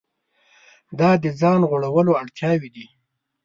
دا د ځان غوړولو اړتیاوې دي.